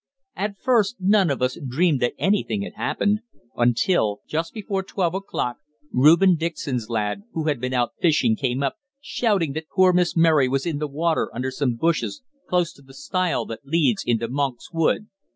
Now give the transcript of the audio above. At first none of us dreamed that anything had happened, until, just before twelve o'clock, Reuben Dixon's lad, who'd been out fishing, came up, shouting that poor Miss Mary was in the water under some bushes close to the stile that leads into Monk's Wood.